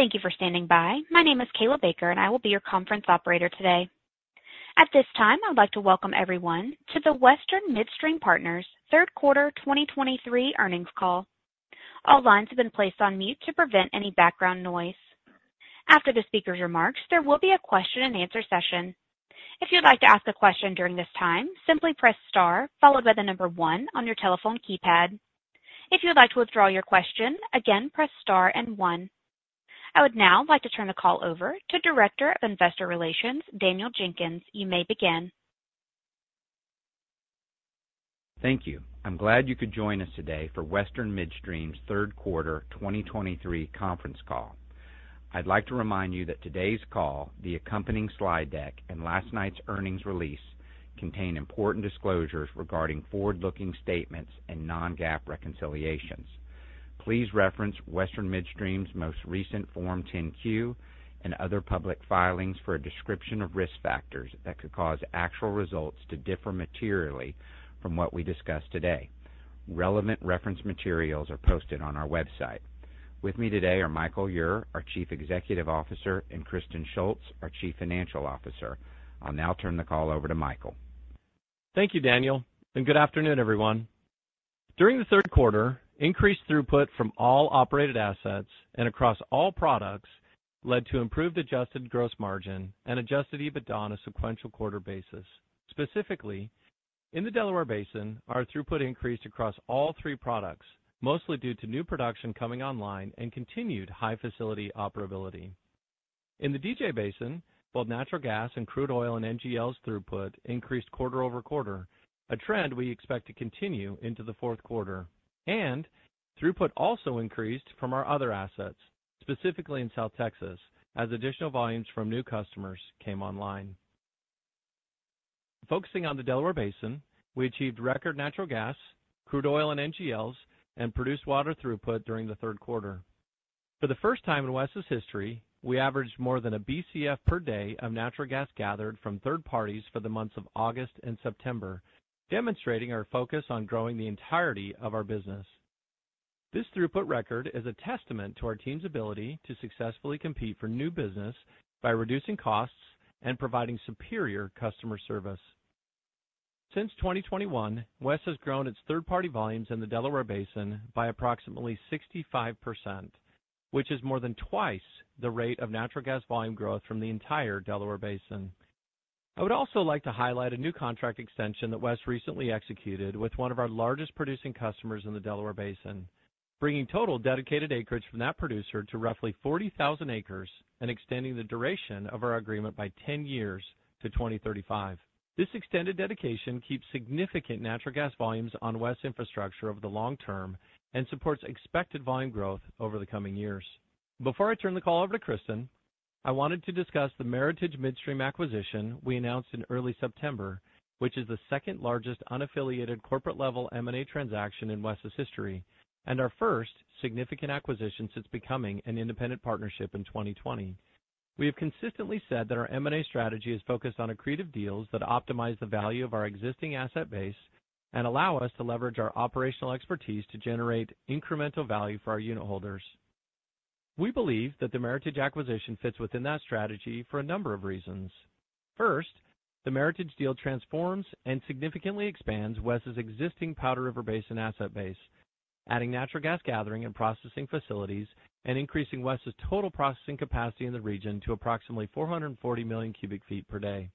Thank you for standing by. My name is Kayla Baker, and I will be your conference operator today. At this time, I'd like to welcome everyone to the Western Midstream Partners Third Quarter 2023 Earnings Call. All lines have been placed on mute to prevent any background noise. After the speaker's remarks, there will be a question-and-answer session. If you'd like to ask a question during this time, simply press star, followed by the number one on your telephone keypad. If you'd like to withdraw your question, again, press star and one. I would now like to turn the call over to Director of Investor Relations, Daniel Jenkins. You may begin. Thank you. I'm glad you could join us today for Western Midstream's Third Quarter 2023 Conference Call. I'd like to remind you that today's call, the accompanying slide deck, and last night's earnings release contain important disclosures regarding forward-looking statements and non-GAAP reconciliations. Please reference Western Midstream's most recent Form 10-Q and other public filings for a description of risk factors that could cause actual results to differ materially from what we discuss today. Relevant reference materials are posted on our website. With me today are Michael Ure, our Chief Executive Officer, and Kristen Shults, our Chief Financial Officer. I'll now turn the call over to Michael. Thank you, Daniel, and good afternoon, everyone. During the third quarter, increased throughput from all operated assets and across all products led to improved Adjusted Gross Margin and Adjusted EBITDA on a sequential quarter basis. Specifically, in the Delaware Basin, our throughput increased across all three products, mostly due to new production coming online and continued high facility operability. In the DJ Basin, both natural gas and crude oil and NGLs throughput increased quarter-over-quarter, a trend we expect to continue into the fourth quarter. And throughput also increased from our other assets, specifically in South Texas, as additional volumes from new customers came online. Focusing on the Delaware Basin, we achieved record natural gas, crude oil and NGLs, and produced water throughput during the third quarter. For the first time in WES's history, we averaged more than a Bcf per day of natural gas gathered from third parties for the months of August and September, demonstrating our focus on growing the entirety of our business. This throughput record is a testament to our team's ability to successfully compete for new business by reducing costs and providing superior customer service. Since 2021, WES has grown its third-party volumes in the Delaware Basin by approximately 65%, which is more than twice the rate of natural gas volume growth from the entire Delaware Basin. I would also like to highlight a new contract extension that WES recently executed with one of our largest producing customers in the Delaware Basin, bringing total dedicated acreage from that producer to roughly 40,000 acres and extending the duration of our agreement by 10 years to 2035. This extended dedication keeps significant natural gas volumes on WES infrastructure over the long term and supports expected volume growth over the coming years. Before I turn the call over to Kristen, I wanted to discuss the Meritage Midstream acquisition we announced in early September, which is the second-largest unaffiliated corporate-level M&A transaction in WES's history and our first significant acquisition since becoming an independent partnership in 2020. We have consistently said that our M&A strategy is focused on accretive deals that optimize the value of our existing asset base and allow us to leverage our operational expertise to generate incremental value for our unitholders. We believe that the Meritage acquisition fits within that strategy for a number of reasons. First, the Meritage deal transforms and significantly expands WES's existing Powder River Basin asset base, adding natural gas gathering and processing facilities and increasing WES's total processing capacity in the region to approximately 440 million cu ft per day.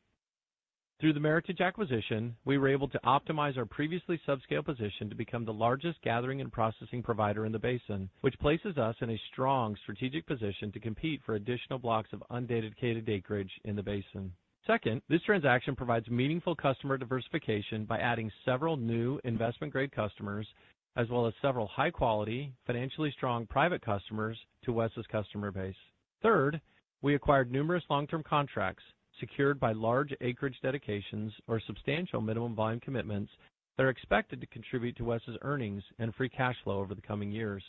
Through the Meritage acquisition, we were able to optimize our previously subscale position to become the largest gathering and processing provider in the basin, which places us in a strong strategic position to compete for additional blocks of undedicated acreage in the basin. Second, this transaction provides meaningful customer diversification by adding several new investment-grade customers, as well as several high-quality, financially strong private customers to WES's customer base. Third, we acquired numerous long-term contracts secured by large acreage dedications or substantial minimum volume commitments that are expected to contribute to WES's earnings and free cash flow over the coming years.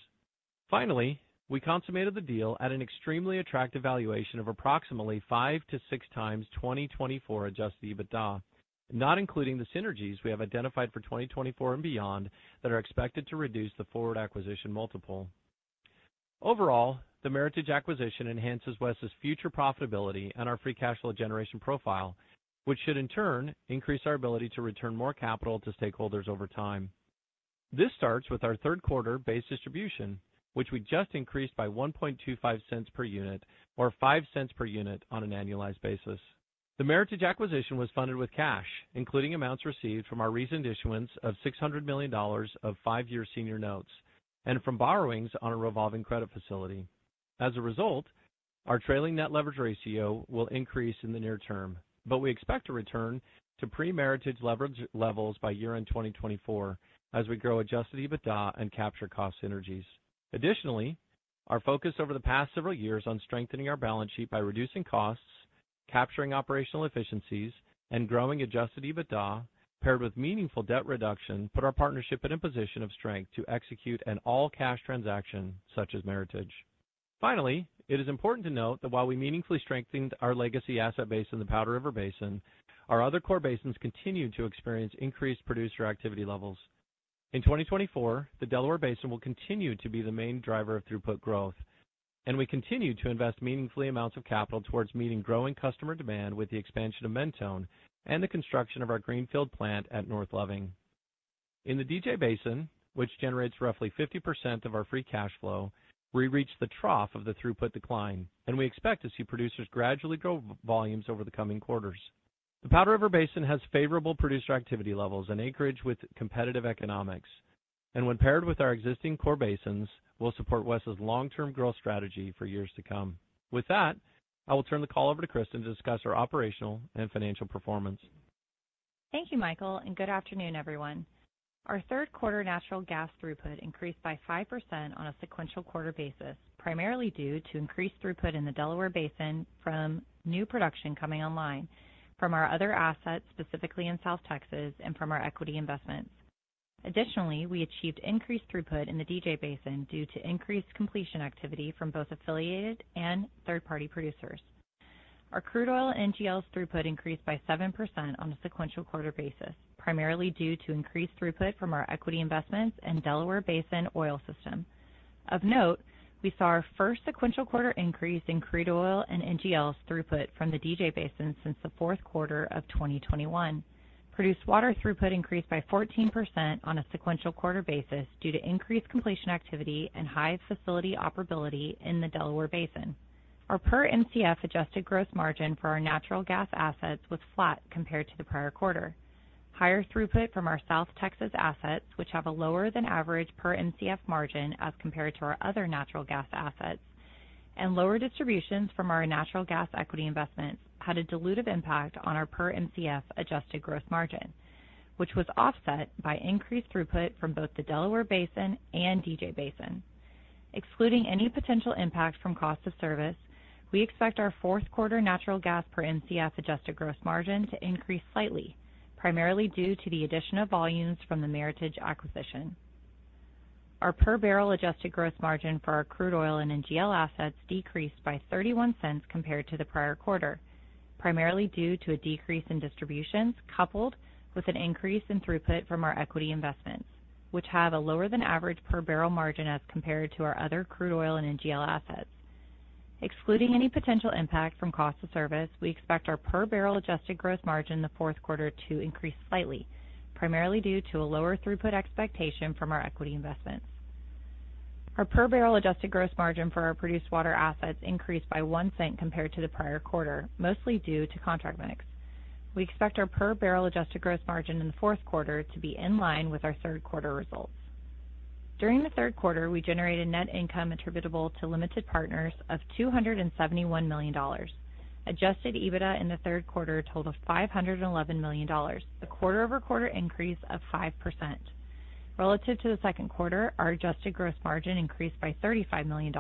Finally, we consummated the deal at an extremely attractive valuation of approximately 5.0x-6.0x 2024 Adjusted EBITDA, not including the synergies we have identified for 2024 and beyond that are expected to reduce the forward acquisition multiple. Overall, the Meritage acquisition enhances WES's future profitability and our free cash flow generation profile, which should in turn increase our ability to return more capital to stakeholders over time. This starts with our third quarter base distribution, which we just increased by $0.0125 per unit or $0.05 per unit on an annualized basis. The Meritage acquisition was funded with cash, including amounts received from our recent issuance of $600 million of five-year senior notes and from borrowings on a revolving credit facility. As a result, our trailing Net Leverage Ratio will increase in the near term, but we expect to return to pre-Meritage leverage levels by year-end 2024 as we grow Adjusted EBITDA and capture cost synergies. Additionally, our focus over the past several years on strengthening our balance sheet by reducing costs, capturing operational efficiencies, and growing Adjusted EBITDA paired with meaningful debt reduction, put our partnership in a position of strength to execute an all-cash transaction such as Meritage. Finally, it is important to note that while we meaningfully strengthened our legacy asset base in the Powder River Basin, our other core basins continued to experience increased producer activity levels.... In 2024, the Delaware Basin will continue to be the main driver of throughput growth, and we continue to invest meaningfully amounts of capital towards meeting growing customer demand with the expansion of Mentone and the construction of our greenfield plant at North Loving. In the DJ Basin, which generates roughly 50% of our free cash flow, we reached the trough of the throughput decline, and we expect to see producers gradually grow volumes over the coming quarters. The Powder River Basin has favorable producer activity levels and acreage with competitive economics, and when paired with our existing core basins, will support WES's long-term growth strategy for years to come. With that, I will turn the call over to Kristen to discuss our operational and financial performance. Thank you, Michael, and good afternoon, everyone. Our third quarter natural gas throughput increased by 5% on a sequential quarter basis, primarily due to increased throughput in the Delaware Basin from new production coming online from our other assets, specifically in South Texas and from our equity investments. Additionally, we achieved increased throughput in the DJ Basin due to increased completion activity from both affiliated and third-party producers. Our crude oil NGLs throughput increased by 7% on a sequential quarter basis, primarily due to increased throughput from our equity investments in Delaware Basin oil system. Of note, we saw our first sequential quarter increase in crude oil and NGLs throughput from the DJ Basin since the fourth quarter of 2021. Produced water throughput increased by 14% on a sequential quarter basis due to increased completion activity and high facility operability in the Delaware Basin. Our per Mcf Adjusted Gross Margin for our natural gas assets was flat compared to the prior quarter. Higher throughput from our South Texas assets, which have a lower than average per Mcf margin as compared to our other natural gas assets, and lower distributions from our natural gas equity investments, had a dilutive impact on our per Mcf Adjusted Gross Margin, which was offset by increased throughput from both the Delaware Basin and DJ Basin. Excluding any potential impact from Cost of Service, we expect our fourth quarter natural gas per Mcf Adjusted Gross Margin to increase slightly, primarily due to the addition of volumes from the Meritage acquisition. Our per barrel Adjusted Gross Margin for our crude oil and NGL assets decreased by $0.31 compared to the prior quarter, primarily due to a decrease in distributions, coupled with an increase in throughput from our equity investments, which have a lower than average per barrel margin as compared to our other crude oil and NGL assets. Excluding any potential impact from cost of service, we expect our per barrel Adjusted Gross Margin in the fourth quarter to increase slightly, primarily due to a lower throughput expectation from our equity investments. Our per barrel Adjusted Gross Margin for our produced water assets increased by $0.01 compared to the prior quarter, mostly due to contract mix. We expect our per barrel Adjusted Gross Margin in the fourth quarter to be in line with our third quarter results. During the third quarter, we generated net income attributable to limited partners of $271 million. Adjusted EBITDA in the third quarter totaled $511 million, a quarter-over-quarter increase of 5%. Relative to the second quarter, our Adjusted Gross Margin increased by $35 million.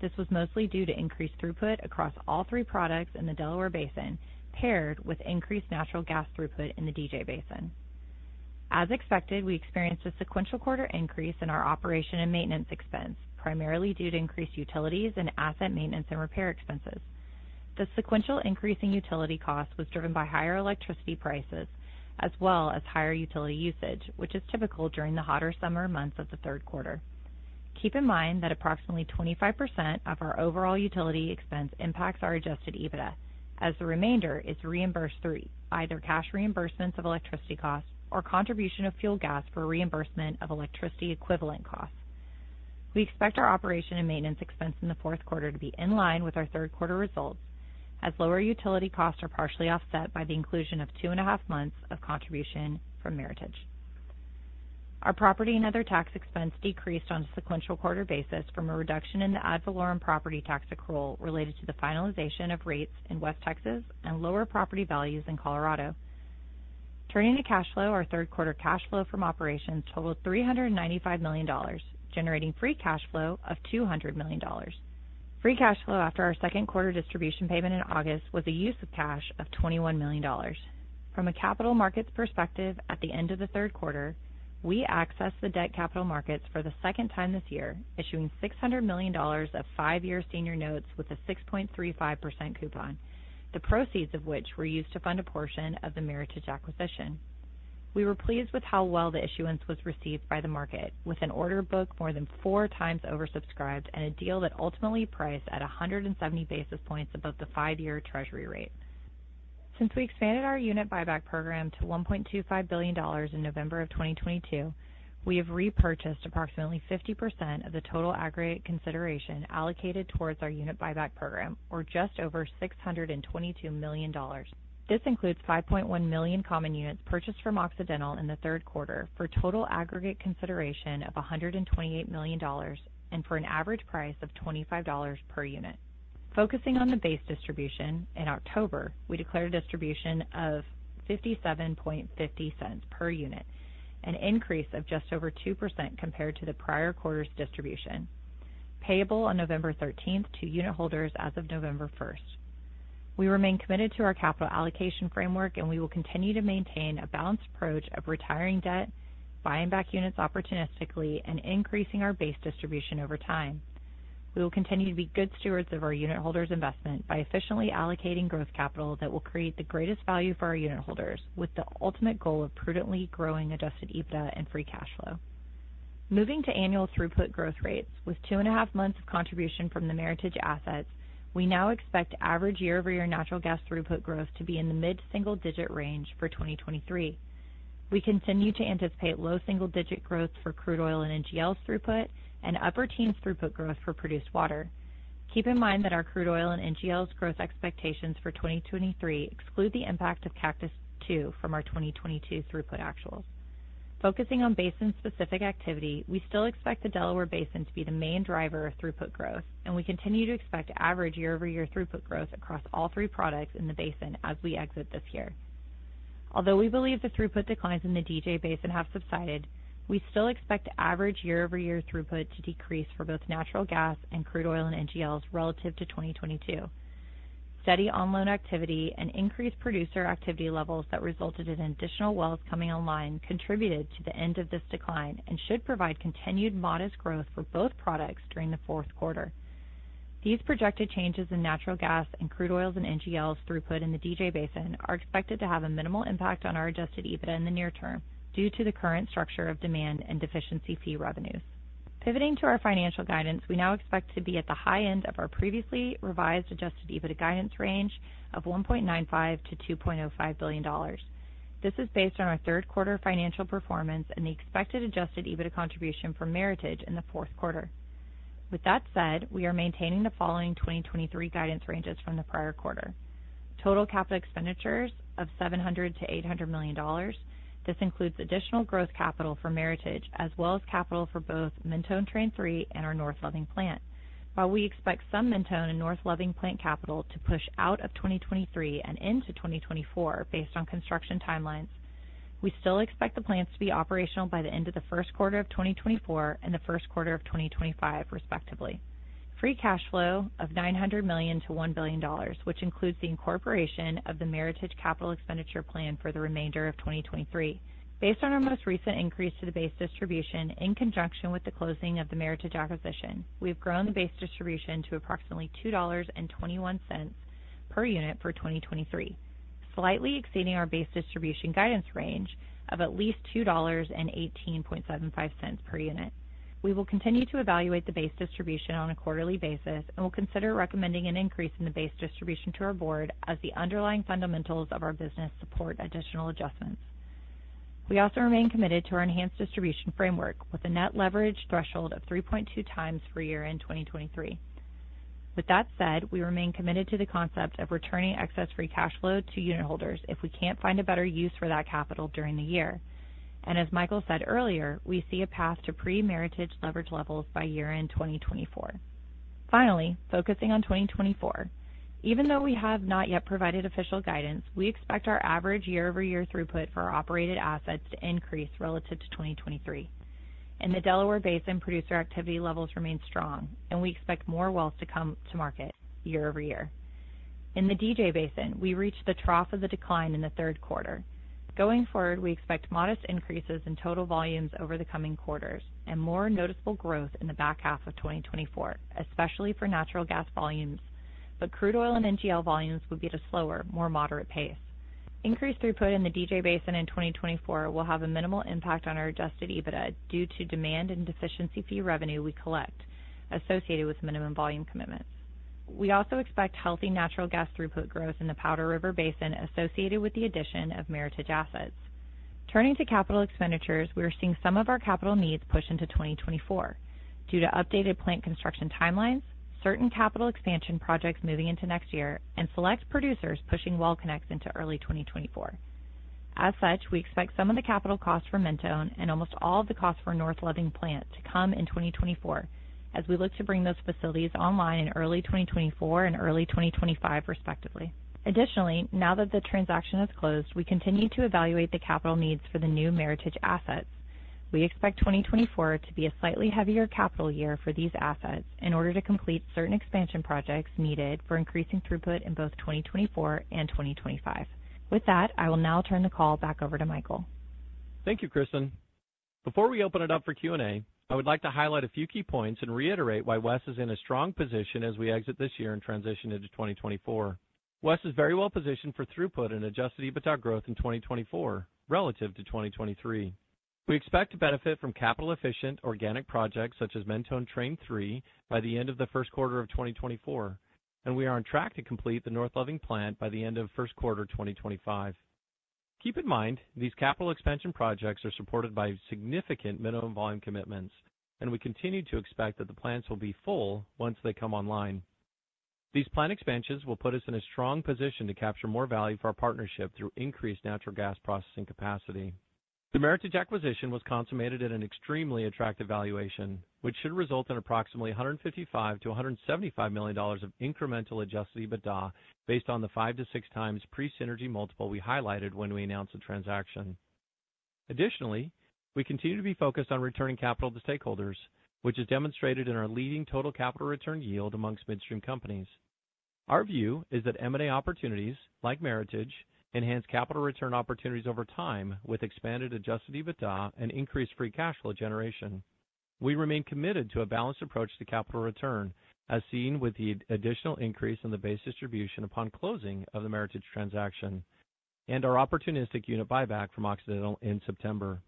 This was mostly due to increased throughput across all three products in the Delaware Basin, paired with increased natural gas throughput in the DJ Basin. As expected, we experienced a sequential quarter-over-quarter increase in our operations and maintenance expense, primarily due to increased utilities and asset maintenance and repair expenses. The sequential increase in utility costs was driven by higher electricity prices as well as higher utility usage, which is typical during the hotter summer months of the third quarter. Keep in mind that approximately 25% of our overall utility expense impacts our Adjusted EBITDA, as the remainder is reimbursed through either cash reimbursements of electricity costs or contribution of fuel gas for reimbursement of electricity equivalent costs. We expect our operation and maintenance expense in the fourth quarter to be in line with our third quarter results, as lower utility costs are partially offset by the inclusion of 2.5 months of contribution from Meritage. Our property and other tax expense decreased on a sequential quarter basis from a reduction in the ad valorem property tax accrual related to the finalization of rates in West Texas and lower property values in Colorado. Turning to cash flow, our third quarter cash flow from operations totaled $395 million, generating Free Cash Flow of $200 million. Free cash flow after our second quarter distribution payment in August was a use of cash of $21 million. From a capital markets perspective, at the end of the third quarter, we accessed the debt capital markets for the second time this year, issuing $600 million of five-year senior notes with a 6.35% coupon, the proceeds of which were used to fund a portion of the Meritage acquisition. We were pleased with how well the issuance was received by the market, with an order book more than 4.0x oversubscribed and a deal that ultimately priced at 170 basis points above the five-year Treasury rate. Since we expanded our unit buyback program to $1.25 billion in November of 2022, we have repurchased approximately 50% of the total aggregate consideration allocated towards our unit buyback program, or just over $622 million. This includes 5.1 million common units purchased from Occidental in the third quarter for total aggregate consideration of $128 million, and for an average price of $25 per unit. Focusing on the base distribution, in October, we declared a distribution of $0.5750 per unit, an increase of just over 2% compared to the prior quarter's distribution, payable on November 13th to unit holders as of November 1st. We remain committed to our capital allocation framework, and we will continue to maintain a balanced approach of retiring debt, buying back units opportunistically, and increasing our base distribution over time. We will continue to be good stewards of our unit holders' investment by efficiently allocating growth capital that will create the greatest value for our unit holders, with the ultimate goal of prudently growing Adjusted EBITDA and Free Cash Flow. Moving to annual throughput growth rates, with 2.5 months of contribution from the Meritage assets, we now expect average year-over-year natural gas throughput growth to be in the mid-single-digit range for 2023. We continue to anticipate low single-digit growth for crude oil and NGLs throughput and upper-teens throughput growth for produced water. Keep in mind that our crude oil and NGLs growth expectations for 2023 exclude the impact of Cactus II from our 2022 throughput actuals. Focusing on basin-specific activity, we still expect the Delaware Basin to be the main driver of throughput growth, and we continue to expect average year-over-year throughput growth across all three products in the basin as we exit this year. Although we believe the throughput declines in the DJ Basin have subsided, we still expect average year-over-year throughput to decrease for both natural gas and crude oil and NGLs relative to 2022. Steady onshore activity and increased producer activity levels that resulted in additional wells coming online contributed to the end of this decline and should provide continued modest growth for both products during the fourth quarter. These projected changes in natural gas and crude oil and NGLs throughput in the DJ Basin are expected to have a minimal impact on our Adjusted EBITDA in the near term due to the current structure of demand and deficiency fee revenues. Pivoting to our financial guidance, we now expect to be at the high end of our previously revised Adjusted EBITDA guidance range of $1.95 billion-$2.05 billion. This is based on our third quarter financial performance and the expected Adjusted EBITDA contribution from Meritage in the fourth quarter. With that said, we are maintaining the following 2023 guidance ranges from the prior quarter: Total capital expenditures of $700 million-$800 million. This includes additional growth capital for Meritage, as well as capital for both Mentone Train Three and our North Loving Plant. While we expect some Mentone and North Loving Plant capital to push out of 2023 and into 2024, based on construction timelines, we still expect the plants to be operational by the end of the first quarter of 2024 and the first quarter of 2025, respectively. Free cash flow of $900 million-$1 billion, which includes the incorporation of the Meritage capital expenditure plan for the remainder of 2023. Based on our most recent increase to the base distribution, in conjunction with the closing of the Meritage acquisition, we've grown the base distribution to approximately $2.21 per unit for 2023, slightly exceeding our base distribution guidance range of at least $2.1875 per unit. We will continue to evaluate the base distribution on a quarterly basis and will consider recommending an increase in the base distribution to our board as the underlying fundamentals of our business support additional adjustments. We also remain committed to our enhanced distribution framework with a net leverage threshold of 3.2x for year-end 2023. With that said, we remain committed to the concept of returning excess free cash flow to unit holders if we can't find a better use for that capital during the year. As Michael said earlier, we see a path to pre-Meritage leverage levels by year-end 2024. Finally, focusing on 2024, even though we have not yet provided official guidance, we expect our average year-over-year throughput for our operated assets to increase relative to 2023. In the Delaware Basin, producer activity levels remain strong, and we expect more wells to come to market year-over-year. In the DJ Basin, we reached the trough of the decline in the third quarter. Going forward, we expect modest increases in total volumes over the coming quarters and more noticeable growth in the back half of 2024, especially for natural gas volumes. But crude oil and NGL volumes will be at a slower, more moderate pace. Increased throughput in the DJ Basin in 2024 will have a minimal impact on our Adjusted EBITDA due to demand and deficiency fee revenue we collect associated with minimum volume commitments. We also expect healthy natural gas throughput growth in the Powder River Basin associated with the addition of Meritage assets. Turning to capital expenditures, we are seeing some of our capital needs push into 2024 due to updated plant construction timelines, certain capital expansion projects moving into next year, and select producers pushing well connects into early 2024. As such, we expect some of the capital costs for Mentone and almost all of the costs for North Loving Plant to come in 2024 as we look to bring those facilities online in early 2024 and early 2025, respectively. Additionally, now that the transaction is closed, we continue to evaluate the capital needs for the new Meritage assets. We expect 2024 to be a slightly heavier capital year for these assets in order to complete certain expansion projects needed for increasing throughput in both 2024 and 2025. With that, I will now turn the call back over to Michael. Thank you, Kristen. Before we open it up for Q&A, I would like to highlight a few key points and reiterate why WES is in a strong position as we exit this year and transition into 2024. WES is very well positioned for throughput and Adjusted EBITDA growth in 2024 relative to 2023. We expect to benefit from capital-efficient organic projects such as Mentone Train Three by the end of the first quarter of 2024, and we are on track to complete the North Loving Plant by the end of first quarter 2025. Keep in mind, these capital expansion projects are supported by significant minimum volume commitments, and we continue to expect that the plants will be full once they come online. These plant expansions will put us in a strong position to capture more value for our partnership through increased natural gas processing capacity. The Meritage acquisition was consummated at an extremely attractive valuation, which should result in approximately $155 million-$175 million of incremental Adjusted EBITDA, based on the 5.0x-6.0x pre-synergy multiple we highlighted when we announced the transaction. Additionally, we continue to be focused on returning capital to stakeholders, which is demonstrated in our leading total capital return yield amongst midstream companies. Our view is that M&A opportunities, like Meritage, enhance capital return opportunities over time, with expanded Adjusted EBITDA and increased free cash flow generation. We remain committed to a balanced approach to capital return, as seen with the additional increase in the base distribution upon closing of the Meritage transaction and our opportunistic unit buyback from Occidental in September.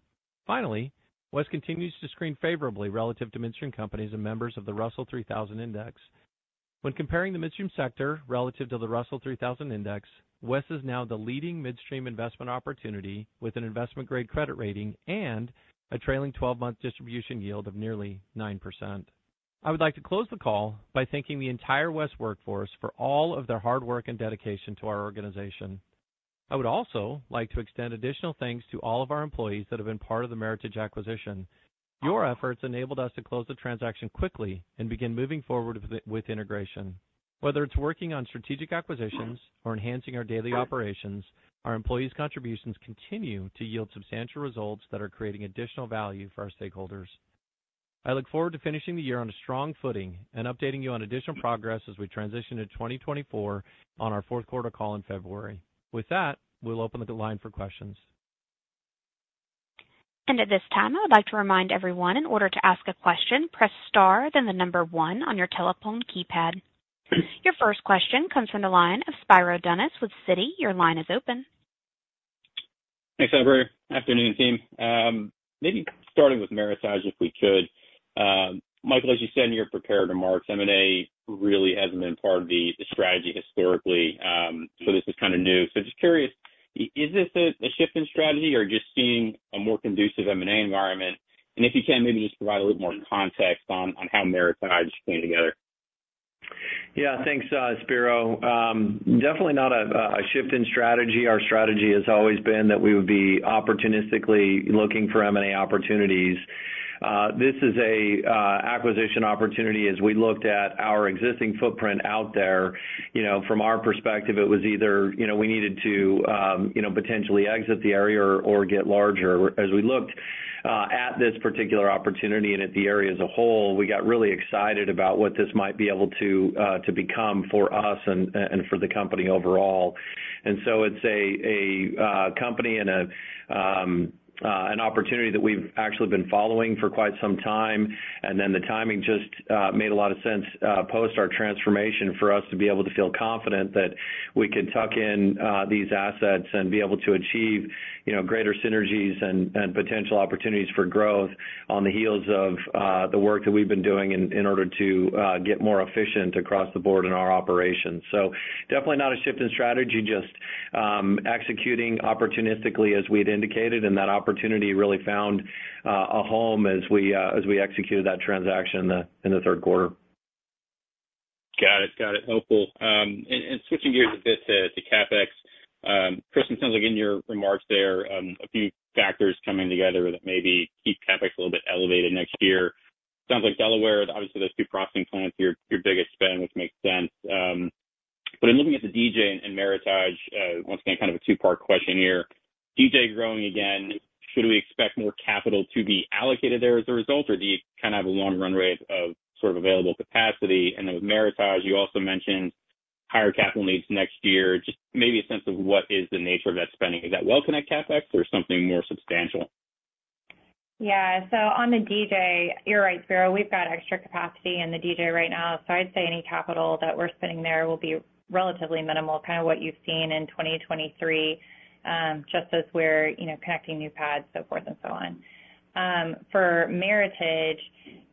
Finally, WES continues to screen favorably relative to midstream companies and members of the Russell 3000 Index. When comparing the midstream sector relative to the Russell 3000 Index, West is now the leading midstream investment opportunity with an investment-grade credit rating and a trailing twelve-month distribution yield of nearly 9%. I would like to close the call by thanking the entire West workforce for all of their hard work and dedication to our organization. I would also like to extend additional thanks to all of our employees that have been part of the Meritage acquisition. Your efforts enabled us to close the transaction quickly and begin moving forward with integration. Whether it's working on strategic acquisitions or enhancing our daily operations, our employees' contributions continue to yield substantial results that are creating additional value for our stakeholders. I look forward to finishing the year on a strong footing and updating you on additional progress as we transition to 2024 on our fourth quarter call in February. With that, we'll open the line for questions. At this time, I would like to remind everyone, in order to ask a question, press star, then the number one on your telephone keypad. Your first question comes from the line of Spiro Dounis with Citi. Your line is open. Thanks, operator. Afternoon, team. Maybe starting with Meritage, if we could. Michael, as you said in your prepared remarks, M&A really hasn't been part of the, the strategy historically, so this is kind of new. So just curious, is this a, a shift in strategy or just seeing a more conducive M&A environment? And if you can, maybe just provide a little more context on, on how Meritage came together. Yeah, thanks, Spiro. Definitely not a shift in strategy. Our strategy has always been that we would be opportunistically looking for M&A opportunities. This is a acquisition opportunity. As we looked at our existing footprint out there, you know, from our perspective, it was either, you know, we needed to, you know, potentially exit the area or get larger. As we looked at this particular opportunity and at the area as a whole, we got really excited about what this might be able to become for us and for the company overall. And so it's a company and an opportunity that we've actually been following for quite some time. And then the timing just made a lot of sense post our transformation, for us to be able to feel confident that we could tuck in these assets and be able to achieve, you know, greater synergies and potential opportunities for growth on the heels of the work that we've been doing in order to get more efficient across the board in our operations. So definitely not a shift in strategy, just executing opportunistically as we'd indicated, and that opportunity really found a home as we executed that transaction in the third quarter. Got it. Got it. Helpful. And switching gears a bit to CapEx. Kristen, it sounds like in your remarks there, a few factors coming together that maybe keep CapEx a little bit elevated next year. Sounds like Delaware, obviously, those two processing plants, your biggest spend, which makes sense. But in looking at the DJ and Meritage, once again, kind of a two-part question here. DJ growing again, should we expect more capital to be allocated there as a result, or do you kind of have a long run rate of sort of available capacity? And then with Meritage, you also mentioned higher capital needs next year. Just maybe a sense of what is the nature of that spending. Is that well-contained CapEx or something more substantial? Yeah. So on the DJ, you're right, Spiro. We've got extra capacity in the DJ right now, so I'd say any capital that we're spending there will be relatively minimal, kind of what you've seen in 2023, just as we're, you know, connecting new pads, so forth and so on. For Meritage,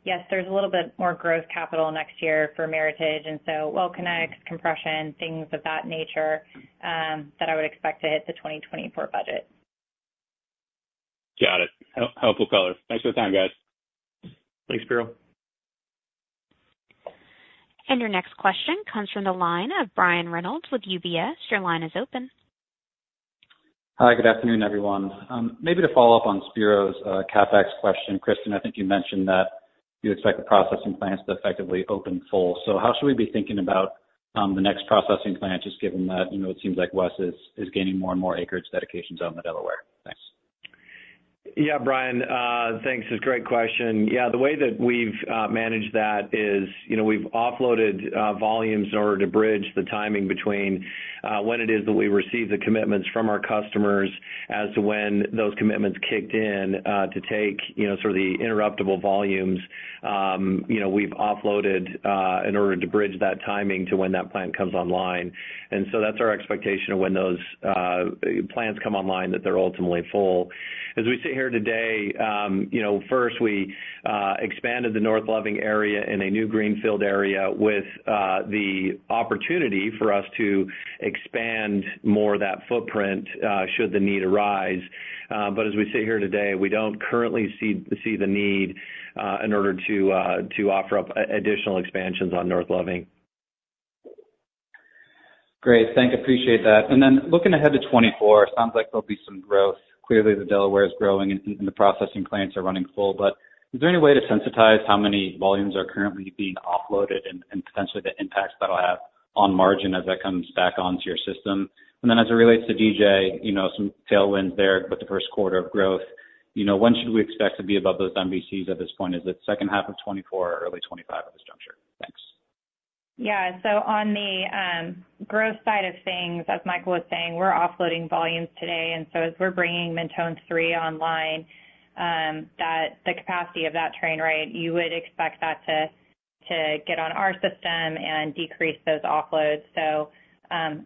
yes, there's a little bit more growth capital next year for Meritage, and so well connects, compression, things of that nature, that I would expect to hit the 2024 budget. Got it. Helpful color. Thanks for the time, guys. Thanks, Spiro. Your next question comes from the line of Brian Reynolds with UBS. Your line is open. Hi, good afternoon, everyone. Maybe to follow up on Spiro's CapEx question. Kristen, I think you mentioned that you expect the processing plants to effectively open full. So how should we be thinking about the next processing plant, just given that, you know, it seems like West is gaining more and more acreage dedications on the Delaware? Thanks. Yeah, Brian, thanks. It's a great question. Yeah, the way that we've managed that is, you know, we've offloaded volumes in order to bridge the timing between when it is that we receive the commitments from our customers as to when those commitments kicked in to take, you know, sort of the interruptible volumes. You know, we've offloaded in order to bridge that timing to when that plant comes online. And so that's our expectation of when those plants come online, that they're ultimately full. As we sit here today, you know, first we expanded the North Loving area in a new greenfield area with the opportunity for us to expand more of that footprint should the need arise. But as we sit here today, we don't currently see the need in order to offer up additional expansions on North Loving. Great. Thank you. Appreciate that. And then looking ahead to 2024, sounds like there'll be some growth. Clearly, the Delaware is growing and the processing plants are running full, but is there any way to sensitize how many volumes are currently being offloaded and potentially the impacts that'll have on margin as that comes back onto your system? And then as it relates to DJ, you know, some tailwinds there with the first quarter of growth.... you know, when should we expect to be above those MVCs at this point? Is it second half of 2024 or early 2025 at this juncture? Thanks. Yeah. So on the growth side of things, as Michael was saying, we're offloading volumes today, and so as we're bringing Mentone three online, that the capacity of that train, right, you would expect that to get on our system and decrease those offloads. So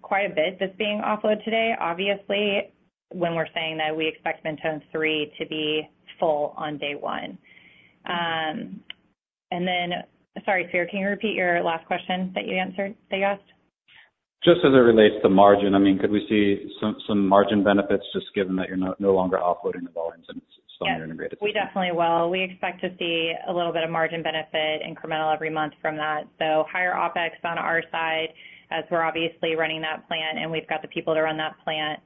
quite a bit that's being offloaded today, obviously, when we're saying that we expect Mentone three to be full on day one. And then, sorry, sir, can you repeat your last question that you asked? Just as it relates to margin, I mean, could we see some margin benefits just given that you're no longer offloading the volumes and it's still integrated? Yes, we definitely will. We expect to see a little bit of margin benefit incremental every month from that. So higher OpEx on our side, as we're obviously running that plant, and we've got the people to run that plant,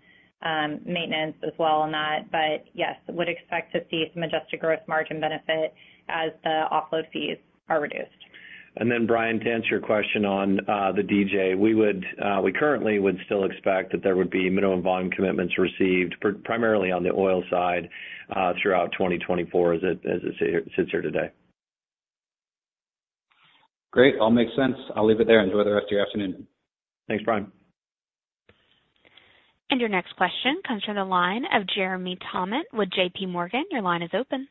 maintenance as well on that. But yes, would expect to see some Adjusted Gross Margin benefit as the offload fees are reduced. And then, Brian, to answer your question on the DJ, we currently would still expect that there would be minimum volume commitments received primarily on the oil side throughout 2024, as it sits here today. Great. All makes sense. I'll leave it there. Enjoy the rest of your afternoon. Thanks, Brian. Your next question comes from the line of Jeremy Tonet with JPMorgan. Your line is open.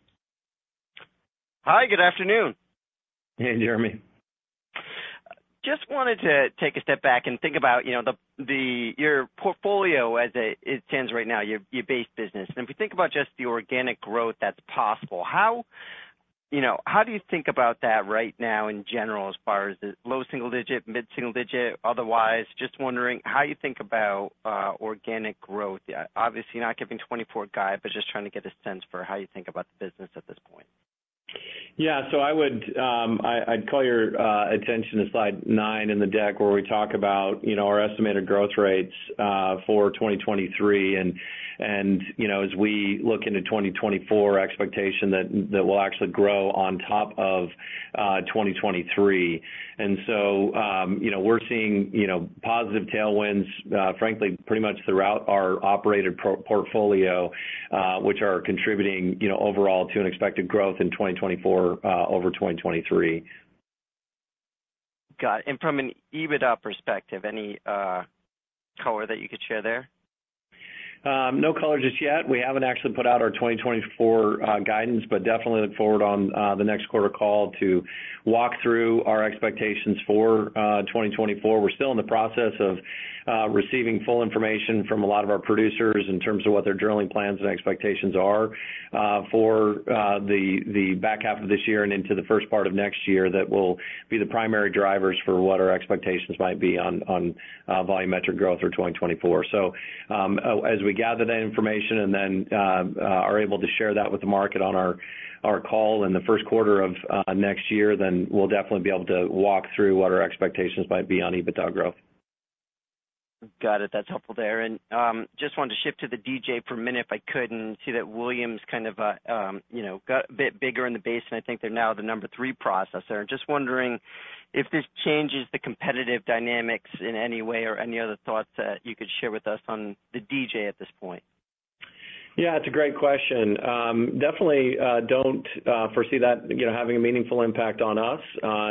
Hi, good afternoon. Hey, Jeremy. Just wanted to take a step back and think about, you know, your portfolio as it stands right now, your base business. And if you think about just the organic growth that's possible, how, you know, how do you think about that right now in general, as far as the low single digit, mid-single digit, otherwise? Just wondering how you think about organic growth. Obviously, not giving 2024 guide, but just trying to get a sense for how you think about the business at this point. Yeah. So I would, I’d call your attention to slide nine in the deck, where we talk about, you know, our estimated growth rates for 2023. And, you know, as we look into 2024, expectation that that will actually grow on top of 2023. And so, you know, we’re seeing, you know, positive tailwinds, frankly, pretty much throughout our operated portfolio, which are contributing, you know, overall to an expected growth in 2024 over 2023. Got it. And from an EBITDA perspective, any color that you could share there? No color just yet. We haven't actually put out our 2024 guidance, but definitely look forward on the next quarter call to walk through our expectations for 2024. We're still in the process of receiving full information from a lot of our producers in terms of what their drilling plans and expectations are for the back half of this year and into the first part of next year. That will be the primary drivers for what our expectations might be on volumetric growth for 2024. So, as we gather that information and then are able to share that with the market on our call in the first quarter of next year, then we'll definitely be able to walk through what our expectations might be on EBITDA growth. Got it. That's helpful there. And, just wanted to shift to the DJ for a minute, if I could, and see that Williams kind of, you know, got a bit bigger in the basin. I think they're now the number three processor. Just wondering if this changes the competitive dynamics in any way or any other thoughts that you could share with us on the DJ at this point? Yeah, it's a great question. Definitely, don't foresee that, you know, having a meaningful impact on us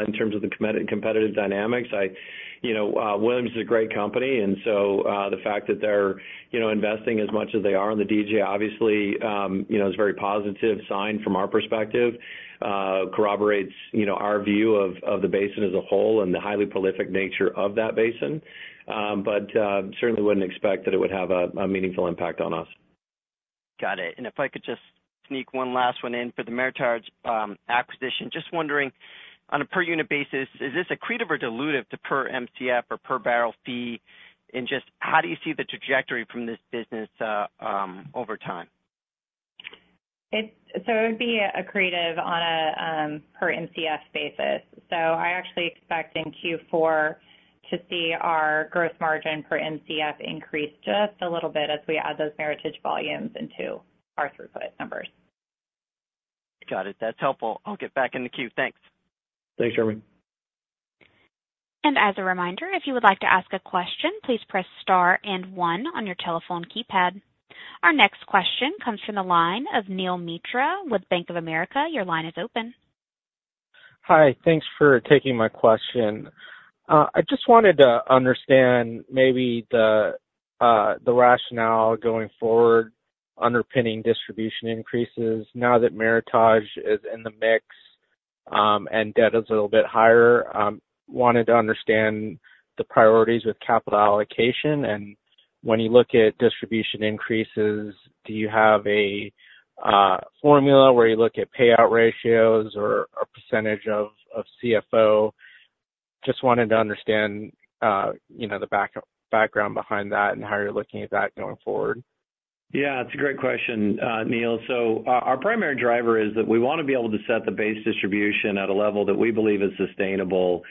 in terms of the competitive dynamics. You know, Williams is a great company, and so, the fact that they're, you know, investing as much as they are on the DJ, obviously, you know, is a very positive sign from our perspective, corroborates, you know, our view of the basin as a whole and the highly prolific nature of that basin. But, certainly wouldn't expect that it would have a meaningful impact on us. Got it. And if I could just sneak one last one in for the Meritage acquisition. Just wondering, on a per unit basis, is this accretive or dilutive to per Mcf or per barrel fee? And just how do you see the trajectory from this business over time? So it would be accretive on a per Mcf basis. So I actually expect in Q4 to see our gross margin per Mcf increase just a little bit as we add those Meritage volumes into our throughput numbers. Got it. That's helpful. I'll get back in the queue. Thanks. Thanks, Jeremy. As a reminder, if you would like to ask a question, please press star and one on your telephone keypad. Our next question comes from the line of Neel Mitra with Bank of America. Your line is open. Hi, thanks for taking my question. I just wanted to understand maybe the rationale going forward underpinning distribution increases now that Meritage is in the mix, and debt is a little bit higher. Wanted to understand the priorities with capital allocation, and when you look at distribution increases, do you have a formula where you look at payout ratios or a percentage of CFO? Just wanted to understand, you know, the background behind that and how you're looking at that going forward. ... Yeah, that's a great question, Neel. So, our primary driver is that we want to be able to set the base distribution at a level that we believe is sustainable,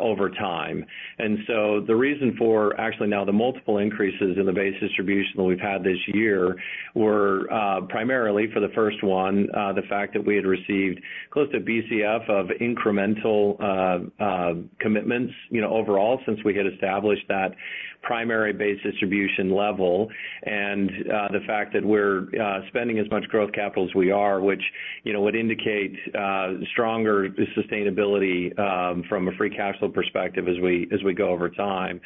over time. And so the reason for actually now the multiple increases in the base distribution that we've had this year were, primarily for the first one, the fact that we had received close to Bcf of incremental commitments, you know, overall, since we had established that primary base distribution level, and, the fact that we're spending as much growth capital as we are, which, you know, would indicate, stronger sustainability, from a free cash flow perspective as we, as we go over time.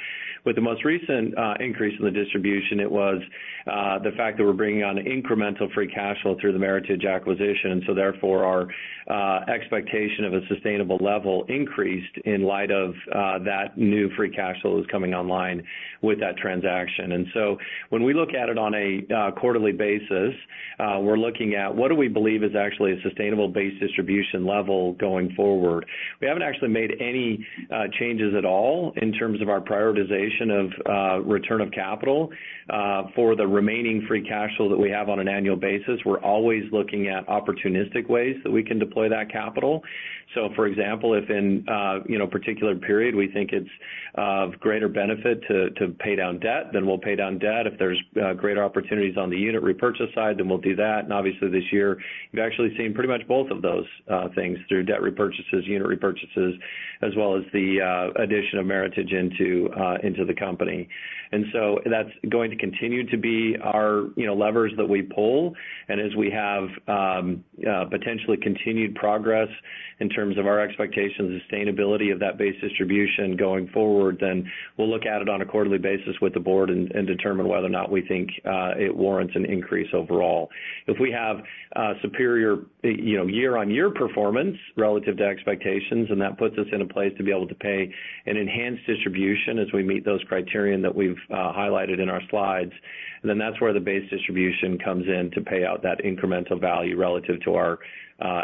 With the most recent increase in the distribution, it was the fact that we're bringing on incremental free cash flow through the Meritage acquisition, so therefore, our expectation of a sustainable level increased in light of that new free cash flow that was coming online with that transaction. And so when we look at it on a quarterly basis, we're looking at what we believe is actually a sustainable base distribution level going forward. We haven't actually made any changes at all in terms of our prioritization of return of capital. For the remaining free cash flow that we have on an annual basis, we're always looking at opportunistic ways that we can deploy that capital. So for example, if in, you know, a particular period, we think it's of greater benefit to pay down debt, then we'll pay down debt. If there's greater opportunities on the unit repurchase side, then we'll do that. And obviously this year, you've actually seen pretty much both of those things through debt repurchases, unit repurchases, as well as the addition of Meritage into the company. And so that's going to continue to be our, you know, levers that we pull. And as we have potentially continued progress in terms of our expectations of sustainability of that base distribution going forward, then we'll look at it on a quarterly basis with the board and determine whether or not we think it warrants an increase overall. If we have superior, you know, year-on-year performance relative to expectations, and that puts us in a place to be able to pay an enhanced distribution as we meet those criteria that we've highlighted in our slides, then that's where the base distribution comes in to pay out that incremental value relative to our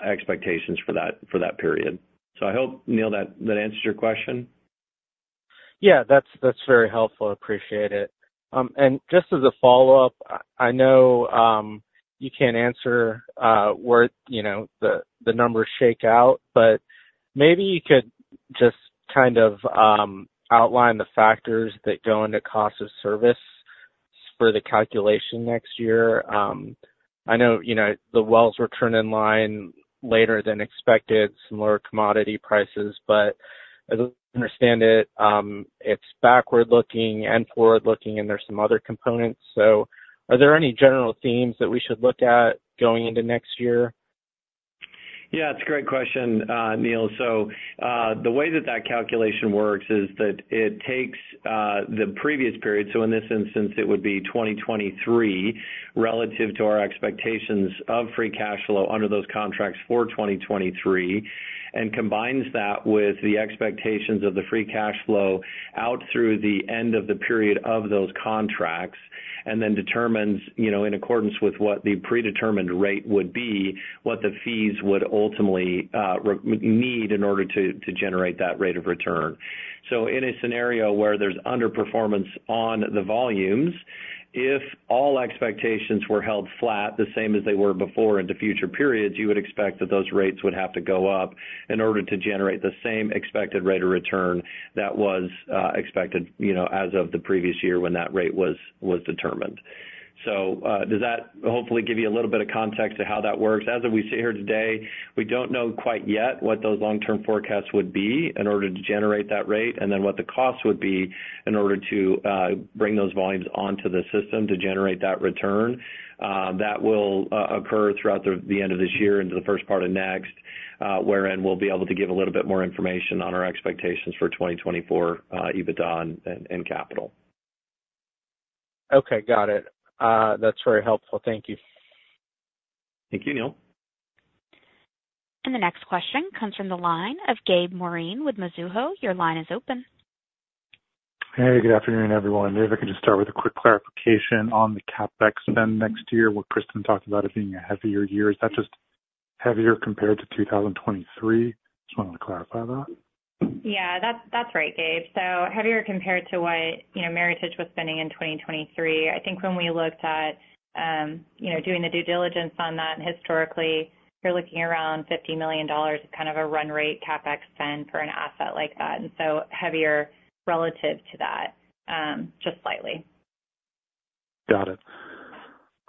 expectations for that, for that period. So I hope, Neel, that answers your question. Yeah, that's very helpful. I appreciate it. And just as a follow-up, I know you can't answer where you know the numbers shake out, but maybe you could just kind of outline the factors that go into cost of service for the calculation next year. I know you know the wells were turned in line later than expected, some lower commodity prices, but as I understand it, it's backward-looking and forward-looking, and there are some other components. So are there any general themes that we should look at going into next year? Yeah, it's a great question, Neel. So, the way that that calculation works is that it takes the previous period, so in this instance, it would be 2023, relative to our expectations of free cash flow under those contracts for 2023, and combines that with the expectations of the free cash flow out through the end of the period of those contracts, and then determines, you know, in accordance with what the predetermined rate would be, what the fees would ultimately need in order to generate that rate of return. So in a scenario where there's underperformance on the volumes, if all expectations were held flat, the same as they were before into future periods, you would expect that those rates would have to go up in order to generate the same expected rate of return that was expected, you know, as of the previous year when that rate was determined. So, does that hopefully give you a little bit of context to how that works? As we sit here today, we don't know quite yet what those long-term forecasts would be in order to generate that rate, and then what the costs would be in order to bring those volumes onto the system to generate that return. That will occur throughout the end of this year into the first part of next, wherein we'll be able to give a little bit more information on our expectations for 2024, EBITDA and capital. Okay, got it. That's very helpful. Thank you. Thank you, Neel. The next question comes from the line of Gabe Moreen with Mizuho. Your line is open. Hey, good afternoon, everyone. Maybe I could just start with a quick clarification on the CapEx spend next year, where Kristen talked about it being a heavier year. Is that just heavier compared to 2023? Just wanted to clarify that. Yeah, that's, that's right, Gabe. So heavier compared to what, you know, Meritage was spending in 2023. I think when we looked at, you know, doing the due diligence on that, and historically, you're looking around $50 million, kind of a run rate CapEx spend for an asset like that, and so heavier relative to that, just slightly. Got it.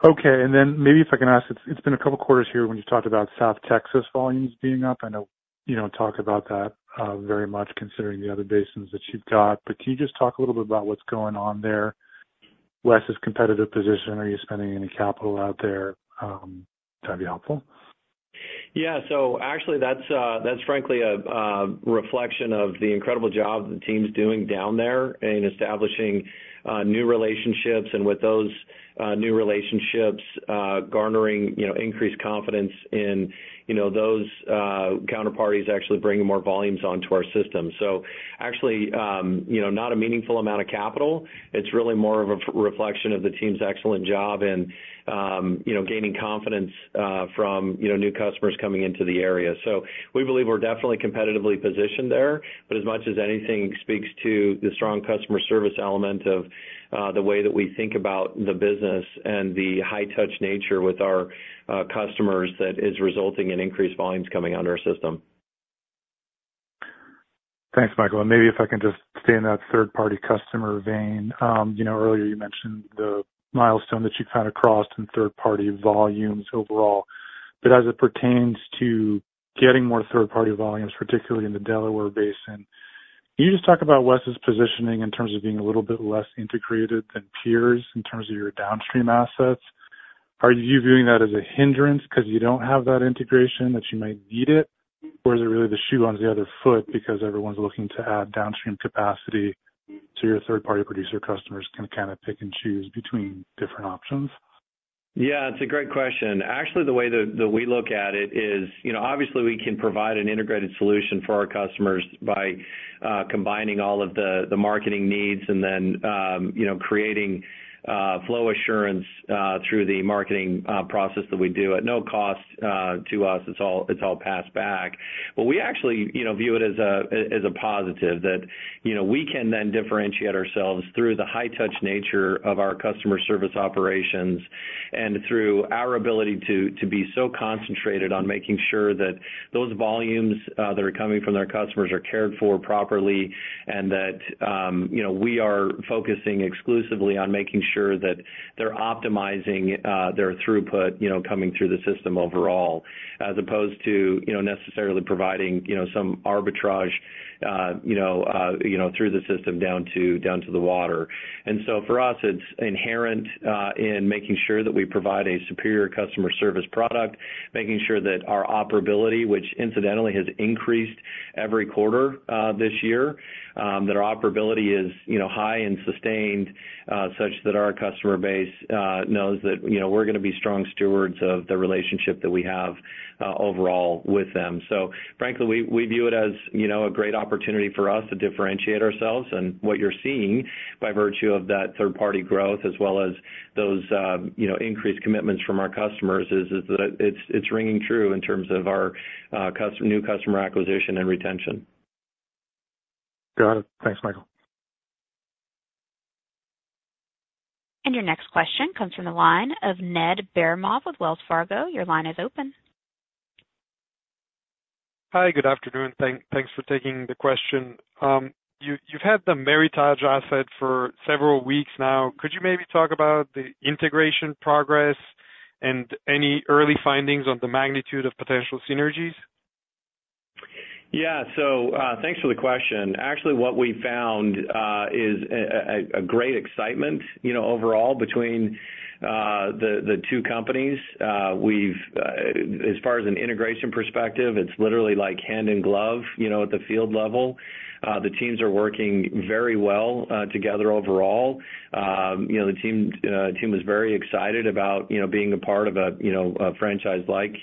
Okay, and then maybe if I can ask, it's been a couple of quarters here when you talked about South Texas volumes being up. I know you don't talk about that very much considering the other basins that you've got. But can you just talk a little bit about what's going on there? Let's assess competitive position, are you spending any capital out there? That'd be helpful. Yeah. So actually that's, that's frankly a, a reflection of the incredible job the team's doing down there in establishing, new relationships, and with those, new relationships, garnering, you know, increased confidence in, you know, those, counterparties actually bringing more volumes onto our system. So actually, you know, not a meaningful amount of capital. It's really more of a reflection of the team's excellent job, you know, gaining confidence, from, you know, new customers coming into the area. So we believe we're definitely competitively positioned there. But as much as anything speaks to the strong customer service element of, the way that we think about the business and the high touch nature with our, customers, that is resulting in increased volumes coming onto our system. Thanks, Michael. And maybe if I can just stay in that third-party customer vein. You know, earlier you mentioned the milestone that you kind of crossed in third-party volumes overall. But as it pertains to getting more third-party volumes, particularly in the Delaware Basin, can you just talk about WES's positioning in terms of being a little bit less integrated than peers in terms of your downstream assets? Are you viewing that as a hindrance because you don't have that integration, that you might need it? Or is it really the shoe on the other foot, because everyone's looking to add downstream capacity to your third-party producer, customers can kind of pick and choose between different options? Yeah, it's a great question. Actually, the way that, that we look at it is, you know, obviously we can provide an integrated solution for our customers by combining all of the, the marketing needs and then, you know, creating flow assurance through the marketing process that we do at no cost to us. It's all, it's all passed back. But we actually, you know, view it as a positive that, you know, we can then differentiate ourselves through the high touch nature of our customer service operations and through our ability to be so concentrated on making sure that those volumes that are coming from their customers are cared for properly, and that, you know, we are focusing exclusively on making sure that they're optimizing their throughput, you know, coming through the system overall, as opposed to, you know, necessarily providing, you know, some arbitrage, you know, through the system, down to the water. And so for us, it's inherent in making sure that we provide a superior customer service product, making sure that our operability, which incidentally has increased every quarter this year. That our operability is, you know, high and sustained, such that our customer base knows that, you know, we're going to be strong stewards of the relationship that we have, overall with them. So frankly, we view it as, you know, a great opportunity for us to differentiate ourselves. And what you're seeing by virtue of that third-party growth as well as those, you know, increased commitments from our customers, is that it's ringing true in terms of our new customer acquisition and retention. Got it. Thanks, Michael. Your next question comes from the line of Ned Baramov with Wells Fargo. Your line is open. Hi, good afternoon. Thanks for taking the question. You've had the Meritage asset for several weeks now. Could you maybe talk about the integration progress and any early findings on the magnitude of potential synergies? Yeah. So, thanks for the question. Actually, what we found is a great excitement, you know, overall, between the two companies. We've as far as an integration perspective, it's literally like hand in glove, you know, at the field level. The teams are working very well together overall. You know, the team is very excited about, you know, being a part of a franchise like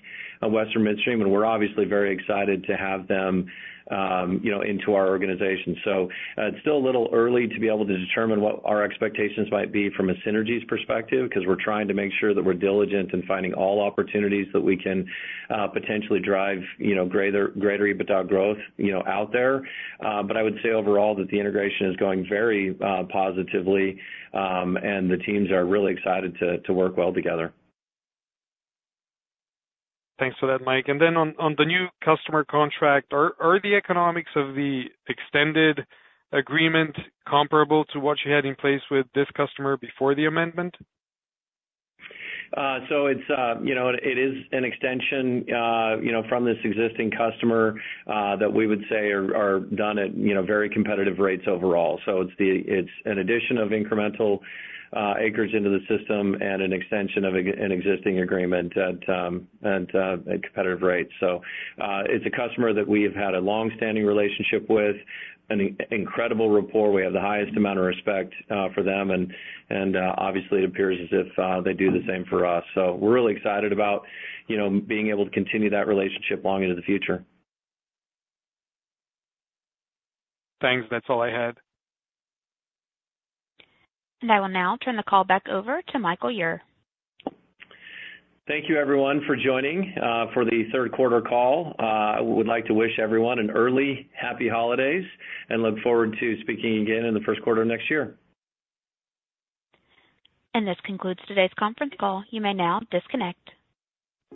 Western Midstream, and we're obviously very excited to have them, you know, into our organization. So, it's still a little early to be able to determine what our expectations might be from a synergies perspective, because we're trying to make sure that we're diligent in finding all opportunities that we can potentially drive, you know, greater EBITDA growth, you know, out there. But I would say overall, that the integration is going very positively, and the teams are really excited to work well together. Thanks for that, Mike. And then on the new customer contract, are the economics of the extended agreement comparable to what you had in place with this customer before the amendment? So it's, you know, it is an extension, you know, from this existing customer that we would say are done at, you know, very competitive rates overall. So it's an addition of incremental acres into the system and an extension of an existing agreement at competitive rates. So it's a customer that we have had a long-standing relationship with, an incredible rapport. We have the highest amount of respect for them, and obviously, it appears as if they do the same for us. So we're really excited about, you know, being able to continue that relationship long into the future. Thanks. That's all I had. I will now turn the call back over to Michael Ure. Thank you, everyone, for joining, for the third quarter call. I would like to wish everyone an early happy holidays and look forward to speaking again in the first quarter of next year. This concludes today's conference call. You may now disconnect.